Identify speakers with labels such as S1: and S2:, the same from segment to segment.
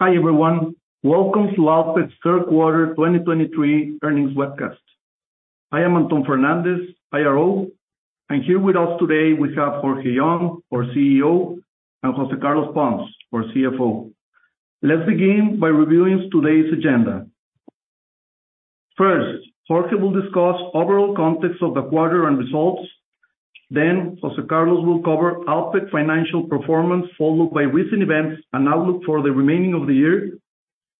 S1: Hi, everyone. Welcome to Alpek's third quarter 2023 earnings webcast. I am Antón Fernández, IRL, and here with us today, we have Jorge Young, our CEO, and José Carlos Pons, our CFO. Let's begin by reviewing today's agenda. First, Jorge will discuss overall context of the quarter and results. Then, José Carlos will cover Alpek financial performance, followed by recent events and outlook for the remaining of the year.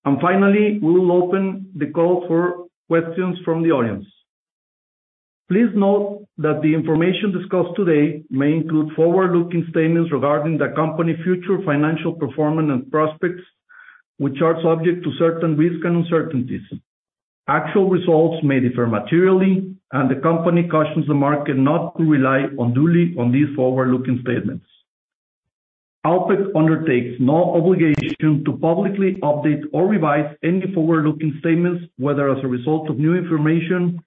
S1: And finally, we will open the call for questions from the audience. Please note that the information discussed today may include forward-looking statements regarding the company future financial performance and prospects, which are subject to certain risks and uncertainties. Actual results may differ materially, and the company cautions the market not to rely unduly on these forward-looking statements. Alpek undertakes no obligation to publicly update or revise any forward-looking statements, whether as a result of new information,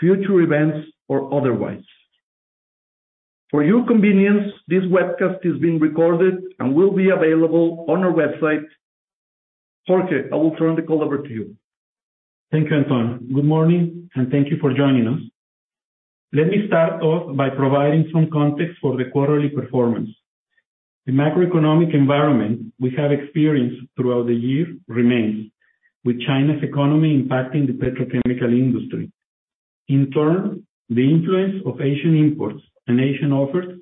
S1: future events, or otherwise. For your convenience, this webcast is being recorded and will be available on our website. Jorge, I will turn the call over to you.
S2: Thank you, Antón. Good morning, and thank you for joining us. Let me start off by providing some context for the quarterly performance. The macroeconomic environment we have experienced throughout the year remains, with China's economy impacting the petrochemical industry. In turn, the influence of Asian imports and Asian offers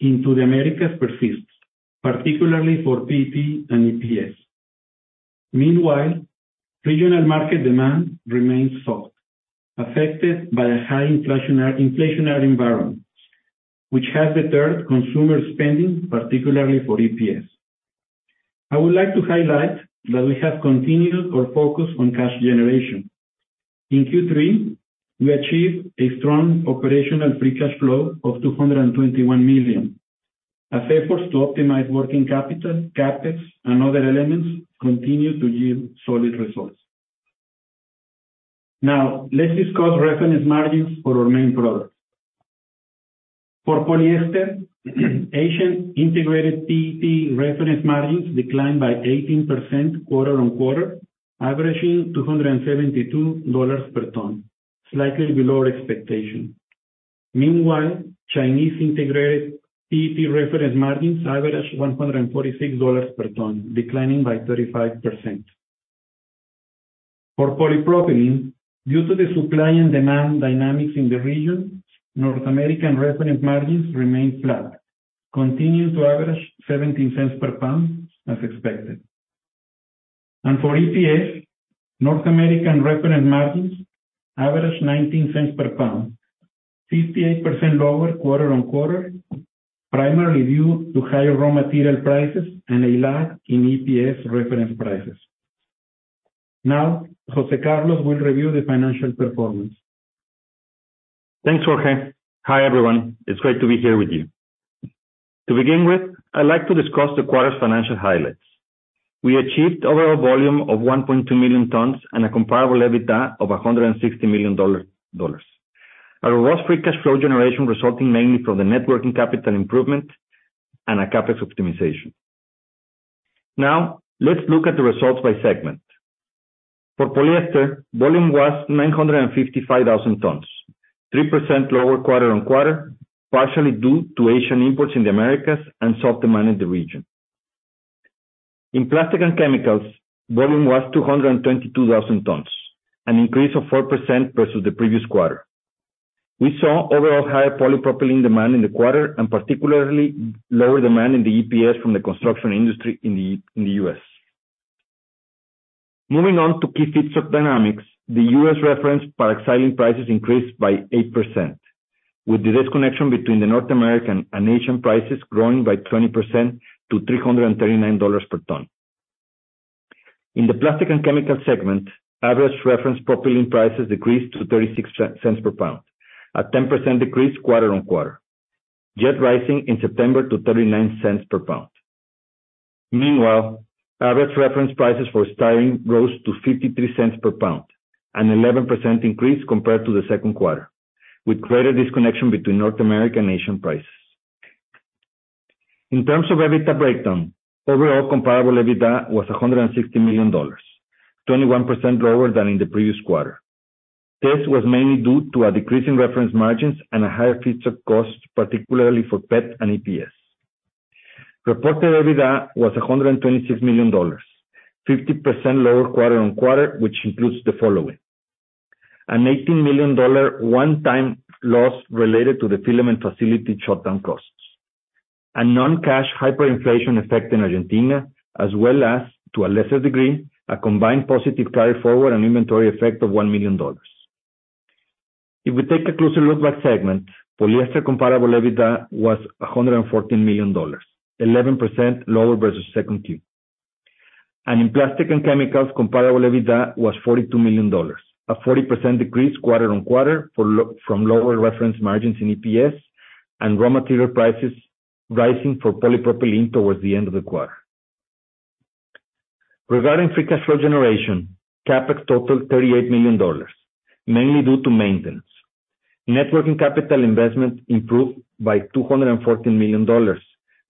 S2: into the Americas persists, particularly for PET and EPS. Meanwhile, regional market demand remains soft, affected by a high inflationary environment, which has deterred consumer spending, particularly for EPS. I would like to highlight that we have continued our focus on cash generation. In Q3, we achieved a strong operational free cash flow of $221 million. As efforts to optimize working capital, CapEx, and other elements continue to yield solid results. Now, let's discuss reference margins for our main products. For polyester, Asian integrated PET reference margins declined by 18% quarter-on-quarter, averaging $272 per ton, slightly below expectation. Meanwhile, Chinese integrated PET reference margins averaged $146 per ton, declining by 35%. For polypropylene, due to the supply and demand dynamics in the region, North American reference margins remained flat, continuing to average $0.17 per pound, as expected. And for EPS, North American reference margins averaged $0.19 per pound, 58% lower quarter-on-quarter, primarily due to higher raw material prices and a lag in EPS reference prices. Now, José Carlos will review the financial performance.
S3: Thanks, Jorge. Hi, everyone. It's great to be here with you. To begin with, I'd like to discuss the quarter's financial highlights. We achieved overall volume of 1.2 million tons and a Comparable EBITDA of $160 million. Our raw free cash flow generation resulting mainly from the net working capital improvement and a CapEx optimization. Now, let's look at the results by segment. For Polyester, volume was 955,000 tons, 3% lower quarter-on-quarter, partially due to Asian imports in the Americas and soft demand in the region. In Plastics and Chemicals, volume was 222,000 tons, an increase of 4% versus the previous quarter. We saw overall higher Polypropylene demand in the quarter, and particularly lower demand in the EPS from the construction industry in the U.S. Moving on to key feedstock dynamics, the U.S. reference paraxylene prices increased by 8%, with the disconnection between the North American and Asian prices growing by 20% to $339 per ton. In the plastic and chemical segment, average reference propylene prices decreased to $0.36 per pound, a 10% decrease quarter-over-quarter, yet rising in September to $0.39 per pound. Meanwhile, average reference prices for styrene rose to $0.53 per pound, an 11% increase compared to the second quarter, with greater disconnection between North America and Asian prices. In terms of EBITDA breakdown, overall Comparable EBITDA was $160 million, 21% lower than in the previous quarter. This was mainly due to a decrease in reference margins and a higher feedstock cost, particularly for PET and EPS. Reported EBITDA was $126 million, 50% lower quarter-on-quarter, which includes the following: an $18 million one-time loss related to the filament facility shutdown costs. A non-cash hyperinflation effect in Argentina, as well as, to a lesser degree, a combined positive carry forward and inventory effect of $1 million. If we take a closer look by segment, Polyester Comparable EBITDA was $114 million, 11% lower versus Q2. In Plastics & Chemicals, Comparable EBITDA was $42 million, a 40% decrease quarter-on-quarter from lower reference margins in EPS and raw material prices rising for polypropylene towards the end of the quarter. Regarding free cash flow generation, CapEx totaled $38 million, mainly due to maintenance.... Working capital investment improved by $214 million,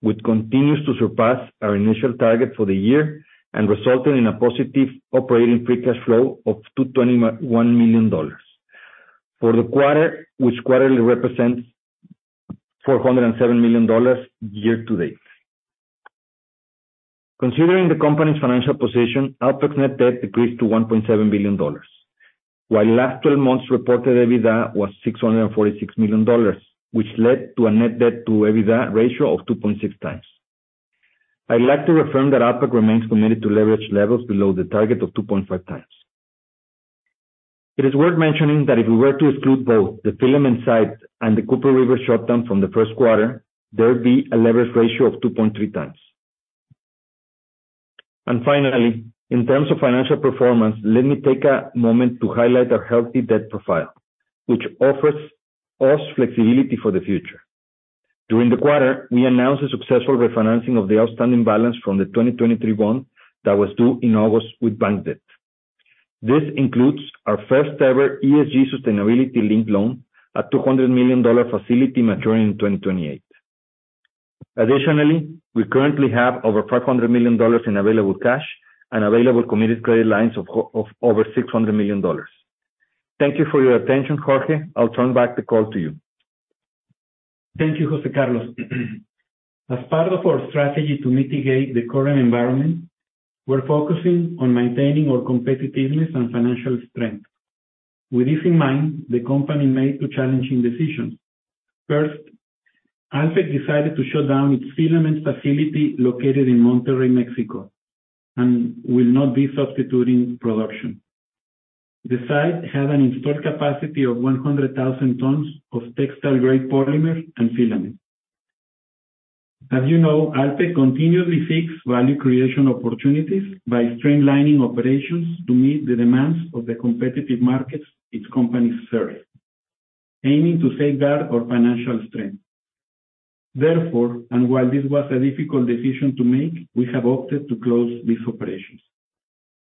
S3: which continues to surpass our initial target for the year, and resulting in a positive operating free cash flow of $221 million. For the quarter, which quarterly represents $407 million year to date. Considering the company's financial position, Alpek's net debt decreased to $1.7 billion. While last 12 months reported EBITDA was $646 million, which led to a net debt to EBITDA ratio of 2.6x. I'd like to affirm that Alpek remains committed to leverage levels below the target of 2.5x. It is worth mentioning that if we were to exclude both the filament site and the Cooper River shutdown from the first quarter, there'd be a leverage ratio of 2.3x. And finally, in terms of financial performance, let me take a moment to highlight our healthy debt profile, which offers us flexibility for the future. During the quarter, we announced a successful refinancing of the outstanding balance from the 2023 bond that was due in August with bank debt. This includes our first ever ESG sustainability-linked loan, a $200 million facility maturing in 2028. Additionally, we currently have over $500 million in available cash and available committed credit lines of over $600 million. Thank you for your attention. Jorge, I'll turn back the call to you.
S2: Thank you, José Carlos. As part of our strategy to mitigate the current environment, we're focusing on maintaining our competitiveness and financial strength. With this in mind, the company made two challenging decisions. First, Alpek decided to shut down its filament facility located in Monterrey, Mexico, and will not be substituting production. The site had an installed capacity of 100,000 tons of textile-grade polymer and filament. As you know, Alpek continuously seeks value creation opportunities by streamlining operations to meet the demands of the competitive markets its companies serve, aiming to safeguard our financial strength. Therefore, and while this was a difficult decision to make, we have opted to close these operations.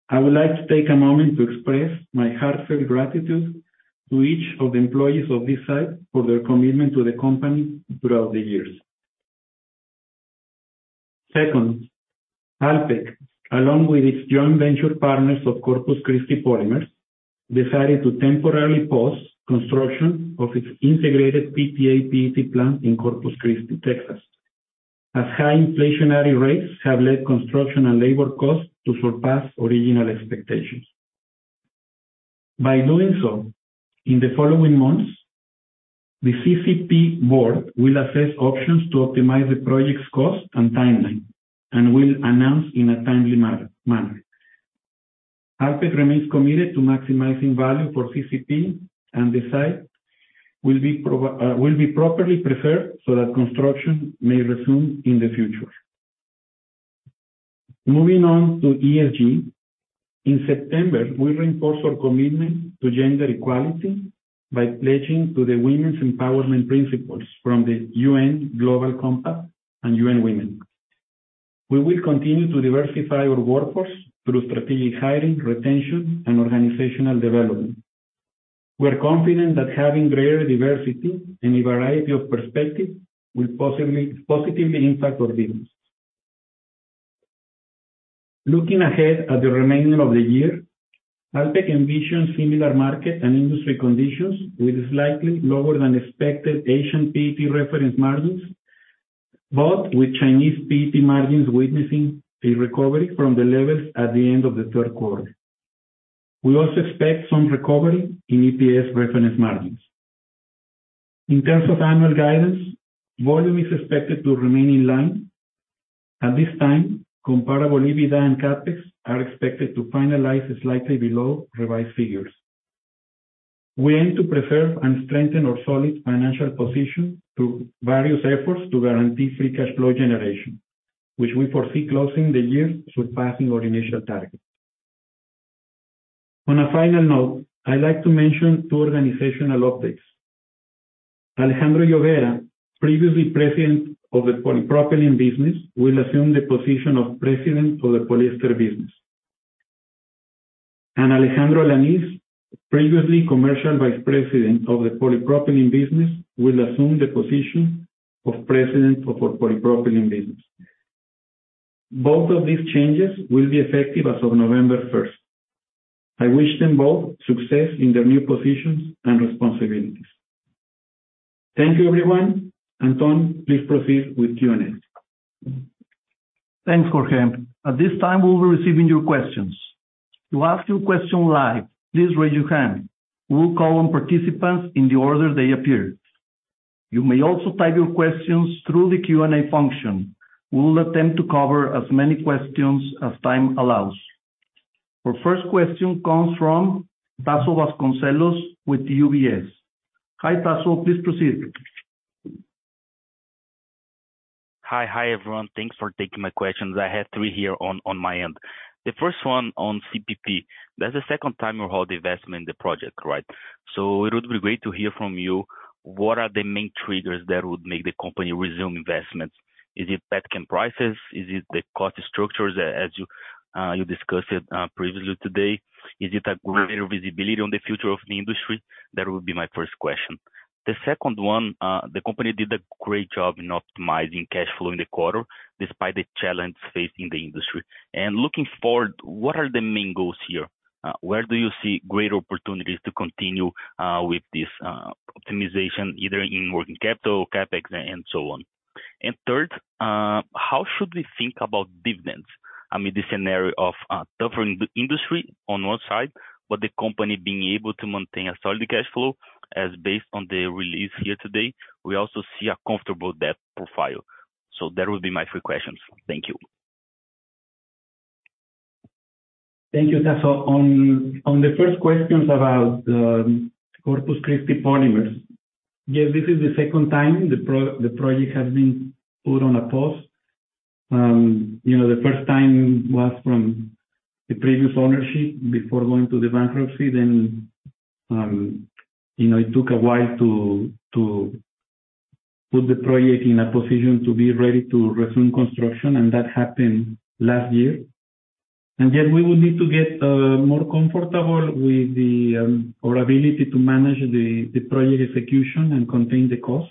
S2: I would like to take a moment to express my heartfelt gratitude to each of the employees of this site for their commitment to the company throughout the years. Second, Alpek, along with its joint venture partners of Corpus Christi Polymers, decided to temporarily pause construction of its integrated PTA PET plant in Corpus Christi, Texas, as high inflationary rates have led construction and labor costs to surpass original expectations. By doing so, in the following months, the CCP board will assess options to optimize the project's cost and timeline, and will announce in a timely manner. Alpek remains committed to maximizing value for CCP, and the site will be properly preserved so that construction may resume in the future. Moving on to ESG. In September, we reinforced our commitment to gender equality by pledging to the Women's Empowerment Principles from the UN Global Compact and UN Women. We will continue to diversify our workforce through strategic hiring, retention, and organizational development. We are confident that having greater diversity and a variety of perspectives will positively impact our business. Looking ahead at the remainder of the year, Alpek envisions similar market and industry conditions, with slightly lower than expected Asian PET reference margins, but with Chinese PET margins witnessing a recovery from the levels at the end of the third quarter. We also expect some recovery in EPS reference margins. In terms of annual guidance, volume is expected to remain in line. At this time, Comparable EBITDA and CapEx are expected to finalize slightly below revised figures. We aim to preserve and strengthen our solid financial position through various efforts to guarantee free cash flow generation, which we foresee closing the year surpassing our initial target. On a final note, I'd like to mention two organizational updates. Alejandro Llovera, previously President of the Polypropylene business, will assume the position of President for the Polyester business. Alejandro Alanís, previously Commercial Vice President of the Polypropylene business, will assume the position of President of our Polypropylene business. Both of these changes will be effective as of November 1st. I wish them both success in their new positions and responsibilities. Thank you, everyone. Antón, please proceed with Q&A.
S1: Thanks, Jorge. At this time, we'll be receiving your questions. To ask your question live, please raise your hand. We will call on participants in the order they appear. You may also type your questions through the Q&A function. We will attempt to cover as many questions as time allows. Our first question comes from Tasso Vasconcellos with UBS. Hi, Tasso, please proceed.
S4: Hi. Hi, everyone. Thanks for taking my questions. I have three here on my end. The first one on CCP, that's the second time you hold the investment in the project, right? So it would be great to hear from you. What are the main triggers that would make the company resume investments? Is it PET chem prices? Is it the cost structures, as you discussed it previously today? Is it a greater visibility on the future of the industry? That would be my first question. The second one, the company did a great job in optimizing cash flow in the quarter, despite the challenges facing the industry. And looking forward, what are the main goals here? Where do you see great opportunities to continue with this optimization, either in working capital, CapEx, and so on? Third, how should we think about dividends amid the scenario of tougher industry on one side, but the company being able to maintain a solid cash flow as based on the release here today, we also see a comfortable debt profile. So that would be my three questions. Thank you.
S2: Thank you, Tasso. On the first questions about Corpus Christi Polymers, yes, this is the second time the project has been put on a pause. You know, the first time was from the previous ownership before going to the bankruptcy, then, you know, it took a while to put the project in a position to be ready to resume construction, and that happened last year. And then we would need to get more comfortable with our ability to manage the project execution and contain the cost.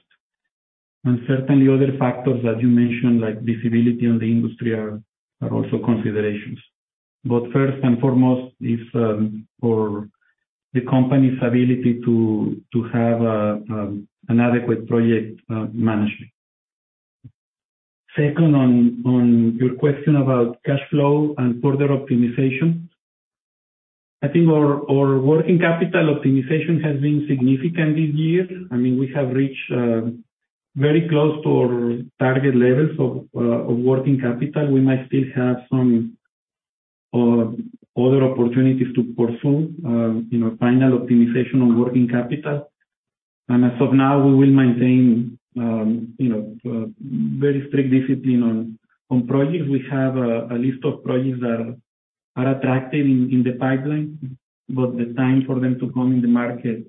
S2: And certainly other factors that you mentioned, like visibility on the industry are also considerations. But first and foremost is for the company's ability to have an adequate project management. Second, on your question about cash flow and further optimization. I think our working capital optimization has been significant this year. I mean, we have reached very close to our target levels of working capital. We might still have some other opportunities to pursue, you know, final optimization on working capital. And as of now, we will maintain, you know, very strict discipline on projects. We have a list of projects that are attractive in the pipeline, but the time for them to come in the market,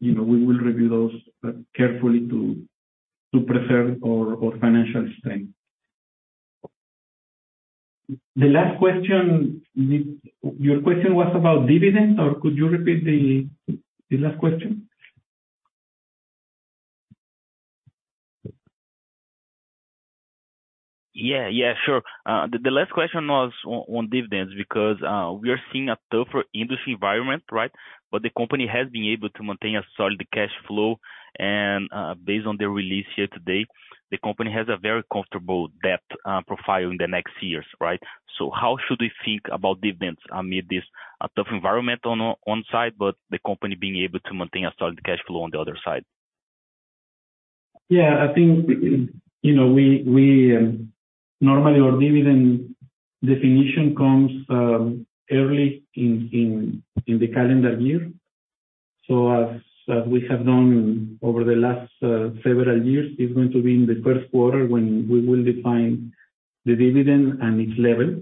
S2: you know, we will review those carefully to preserve our financial strength. The last question, your question was about dividends, or could you repeat the last question?
S4: Yeah, yeah, sure. The last question was on dividends, because we are seeing a tougher industry environment, right? But the company has been able to maintain a solid cash flow, and based on the release here today, the company has a very comfortable debt profile in the next years, right? So how should we think about dividends amid this, a tough environment on one side, but the company being able to maintain a solid cash flow on the other side?
S2: Yeah, I think, you know, we normally our dividend definition comes early in the calendar year. So as we have done over the last several years, it's going to be in the first quarter when we will define the dividend and its level.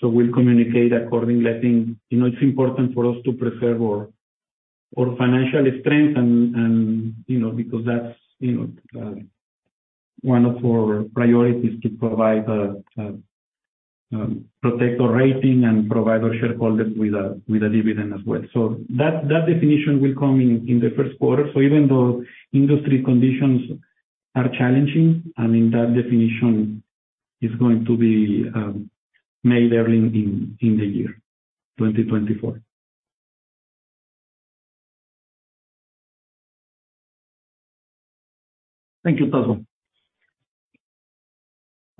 S2: So we'll communicate accordingly. I think, you know, it's important for us to preserve our financial strength and, you know, because that's, you know, one of our priorities, to protect our rating and provide our shareholders with a dividend as well. So that definition will come in the first quarter. So even though industry conditions are challenging, I mean, that definition is going to be made early in the year 2024.
S1: Thank you, Tasso.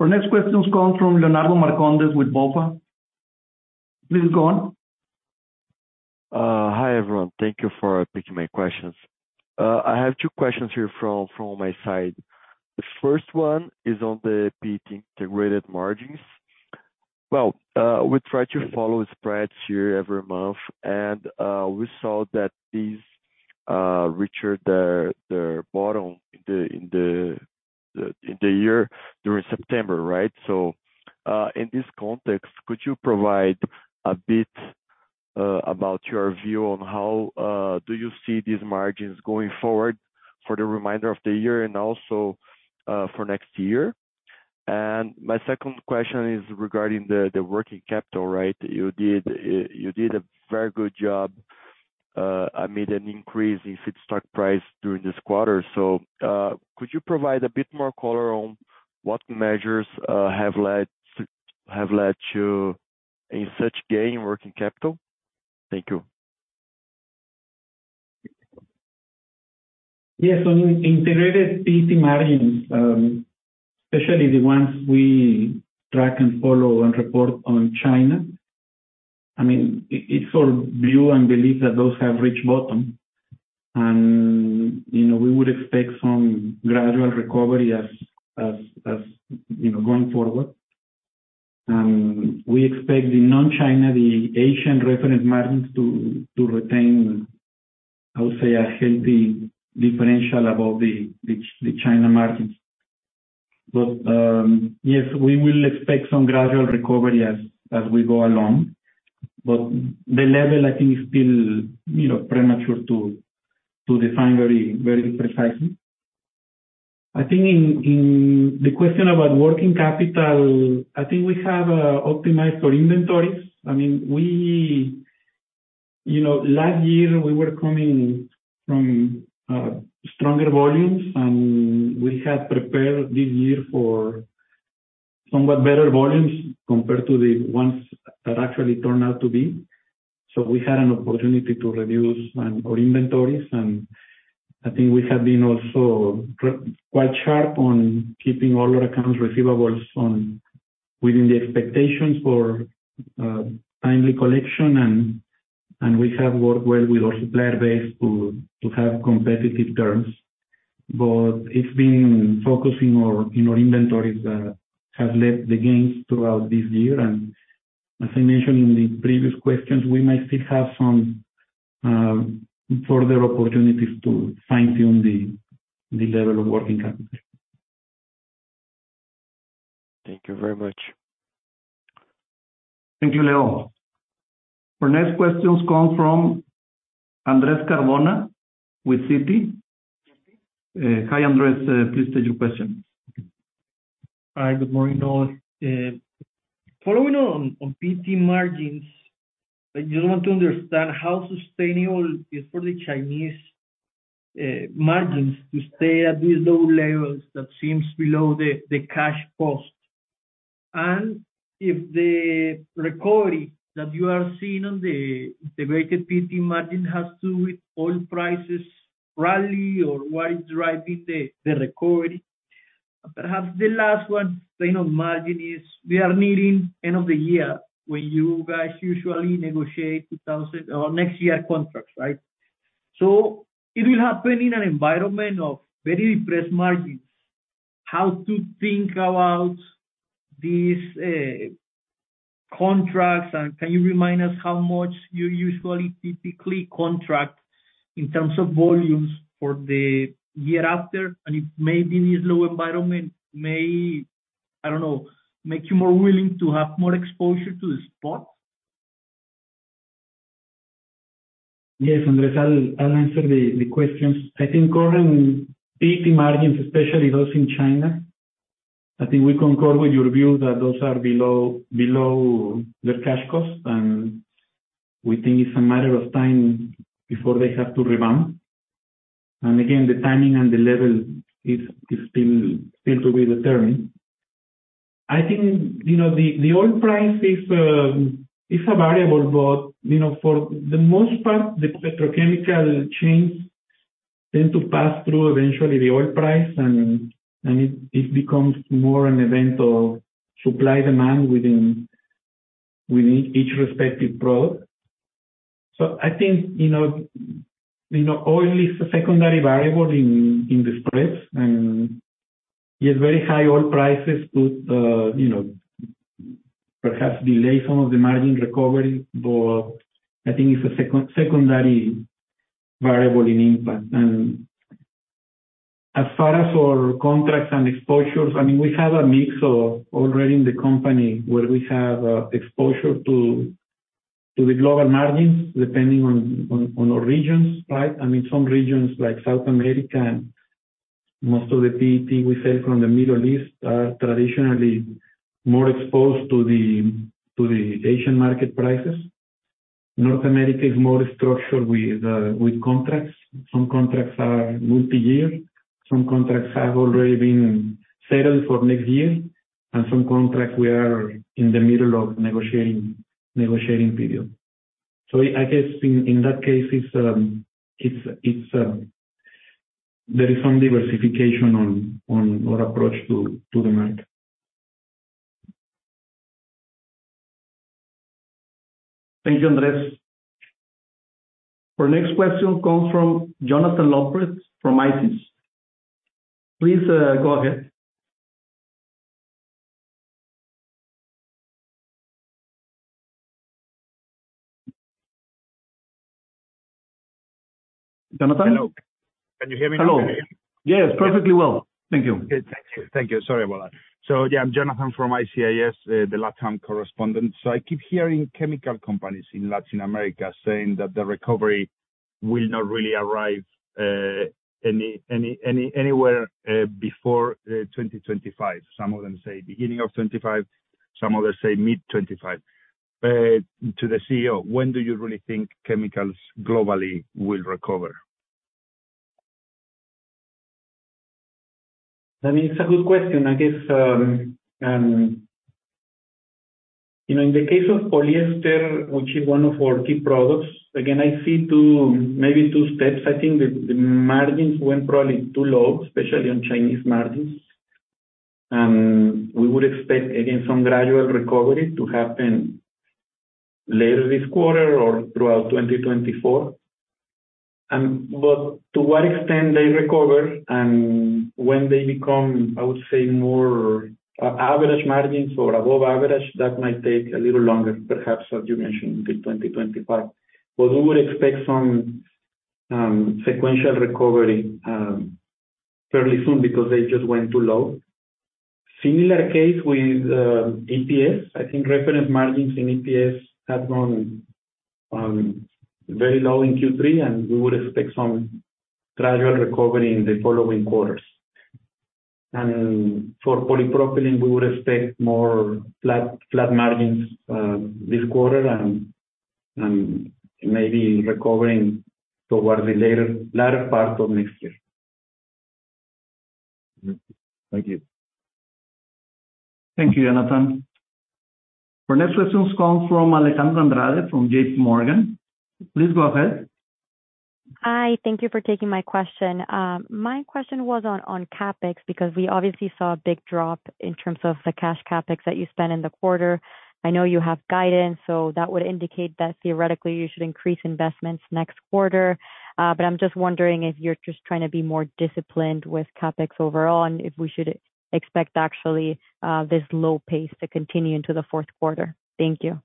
S1: Our next question comes from Leonardo Marcondes with BofA.
S2: Please, go on.
S5: Hi, everyone. Thank you for taking my questions. I have two questions here from my side. The first one is on the PET integrated margins. Well, we try to follow spreads here every month, and we saw that these reached their bottom in the year during September, right? So, in this context, could you provide a bit about your view on how do you see these margins going forward for the remainder of the year and also for next year? And my second question is regarding the working capital, right? You did a very good job amid an increase in feedstock price during this quarter. So, could you provide a bit more color on what measures have led to such a gain in working capital? Thank you.
S2: Yes, on integrated PET margins, especially the ones we track and follow and report on China, I mean, it's our view and belief that those have reached bottom. And, you know, we would expect some gradual recovery as you know, going forward. We expect the non-China, the Asian reference margins to retain, I would say, a healthy differential above the China margins. But, yes, we will expect some gradual recovery as we go along. But the level, I think, is still, you know, premature to define very, very precisely. I think in the question about working capital, I think we have optimized our inventories. I mean, we. You know, last year we were coming from stronger volumes, and we had prepared this year for somewhat better volumes compared to the ones that actually turned out to be. So we had an opportunity to reduce our inventories, and I think we have been also quite sharp on keeping all our accounts receivable within the expectations for timely collection, and we have worked well with our supplier base to have competitive terms. But it's been focusing on our inventories that have led the gains throughout this year, and as I mentioned in the previous questions, we might still have some further opportunities to fine-tune the level of working capital.
S5: Thank you very much.
S1: Thank you, Leo. Our next question comes from Andrés Cardona with Citi. Hi, Andrés, please state your question.
S6: Hi, good morning, all. Following on PET margins, I just want to understand how sustainable is for the Chinese margins to stay at these low levels that seems below the cash cost? And if the recovery that you are seeing on the weighted PET margin has to with oil prices rally or what is driving the recovery. Perhaps the last one, you know, margin is we are nearing end of the year, when you guys usually negotiate 2024 or next year contracts, right? So it will happen in an environment of very depressed margins. How to think about these contracts, and can you remind us how much you usually typically contract in terms of volumes for the year after? And it maybe this low environment may, I don't know, make you more willing to have more exposure to the spot?
S2: Yes, Andrés, I'll answer the questions. I think current PET margins, especially those in China, I think we concur with your view that those are below the cash cost, and we think it's a matter of time before they have to rebound. And again, the timing and the level is still to be determined. I think, you know, the oil price is a variable, but, you know, for the most part, the petrochemical chains tend to pass through eventually the oil price, and it becomes more an event of supply-demand within each respective product. So I think, you know, oil is a secondary variable in the spreads, and yet very high oil prices could, you know, perhaps delay some of the margin recovery. But I think it's a secondary variable in impact. As far as our contracts and exposures, I mean, we have a mix already in the company, where we have exposure to the global margins, depending on the regions, right? I mean, some regions like South America and most of the PET we sell from the Middle East are traditionally more exposed to the Asian market prices. North America is more structured with contracts. Some contracts are multi-year, some contracts have already been settled for next year, and some contracts we are in the middle of negotiating, negotiating period. I guess in that case, it's, it's, there is some diversification on our approach to the market.
S1: Thank you, Andrés. Our next question comes from Jonathan López from ICIS. Please, go ahead. Jonathan?
S7: Hello. Can you hear me now?
S2: Hello. Yes, perfectly well. Thank you.
S7: Good. Thank you. Thank you. Sorry about that. So yeah, I'm Jonathan from ICIS, the Latam correspondent. So I keep hearing chemical companies in Latin America saying that the recovery will not really arrive anywhere before 2025. Some of them say beginning of 2025, some others say mid-2025. To the CEO, when do you really think chemicals globally will recover?
S2: I mean, it's a good question. I guess, you know, in the case of polyester, which is one of our key products, again, I see two, maybe two steps. I think the margins went probably too low, especially on Chinese margins. And we would expect, again, some gradual recovery to happen later this quarter or throughout 2024. But to what extent they recover and when they become, I would say, more average margins or above average, that might take a little longer, perhaps, as you mentioned, mid-2025. But we would expect some sequential recovery, fairly soon because they just went too low. Similar case with EPS. I think reference margins in EPS have gone very low in Q3, and we would expect some gradual recovery in the following quarters. And for polypropylene, we would expect more flat, flat margins this quarter and maybe recovering towards the latter part of next year.
S7: Thank you.
S1: Thank you, Jonathan. Our next question comes from Alejandra Andrade, from JPMorgan. Please go ahead.
S8: Hi. Thank you for taking my question. My question was on CapEx, because we obviously saw a big drop in terms of the cash CapEx that you spent in the quarter. I know you have guidance, so that would indicate that theoretically you should increase investments next quarter. But I'm just wondering if you're just trying to be more disciplined with CapEx overall, and if we should expect actually this low pace to continue into the fourth quarter. Thank you.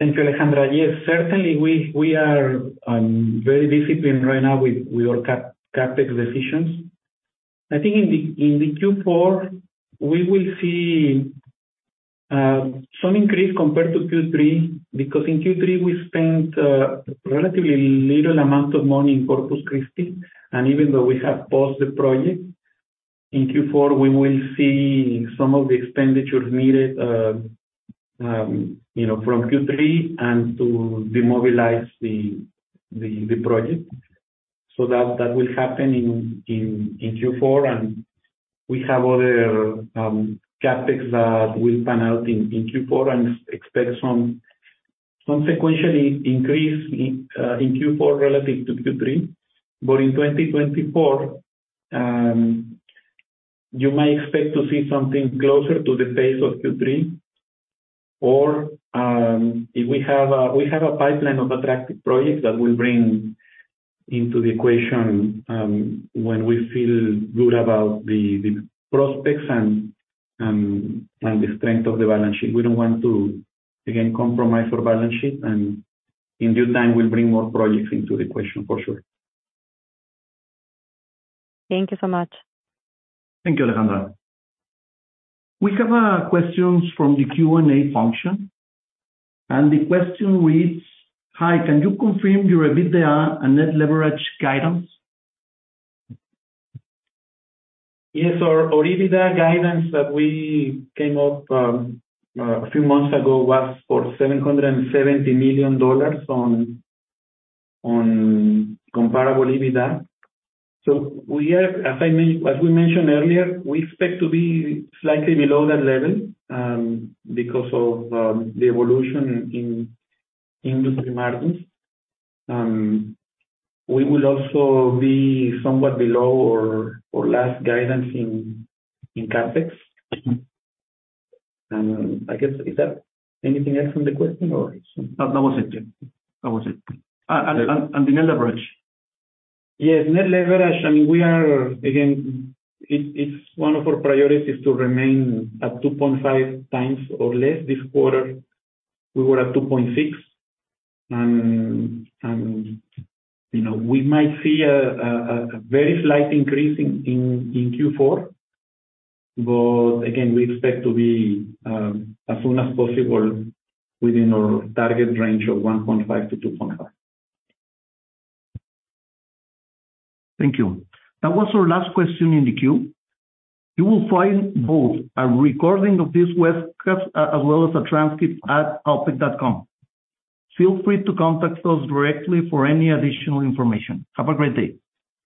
S2: Thank you, Alejandra. Yes, certainly, we are very disciplined right now with our CapEx decisions. I think in the Q4, we will see some increase compared to Q3, because in Q3 we spent relatively little amount of money in Corpus Christi. And even though we have paused the project, in Q4, we will see some of the expenditures needed, you know, from Q3 and to demobilize the project. So that will happen in Q4, and we have other CapEx that will pan out in Q4 and expect some sequentially increase in Q4 relative to Q3. But in 2024, you may expect to see something closer to the pace of Q3. Or, if we have a pipeline of attractive projects that we'll bring into the equation, when we feel good about the prospects and the strength of the balance sheet. We don't want to, again, compromise our balance sheet, and in due time, we'll bring more projects into the equation, for sure.
S8: Thank you so much.
S1: Thank you, Alejandra. We have a question from the Q&A function, and the question reads: "Hi, can you confirm your EBITDA and net leverage guidance?
S2: Yes, our, our EBITDA guidance that we came up, a few months ago, was for $770 million on, on Comparable EBITDA. So we are, as we mentioned earlier, we expect to be slightly below that level, because of, the evolution in industry margins. We will also be somewhat below or, or last guidance in, in CapEx. I guess, is there anything else on the question or?
S1: No, that was it. Yeah, that was it. And, and the net leverage.
S2: Yes, net leverage, I mean, we are. Again, it's one of our priorities to remain at 2.5x or less. This quarter, we were at 2.6x, and you know, we might see a very slight increase in Q4. But again, we expect to be as soon as possible within our target range of 1.5x-2.5x.
S1: Thank you. That was our last question in the queue. You will find both a recording of this webcast as well as a transcript at alpek.com. Feel free to contact us directly for any additional information. Have a great day.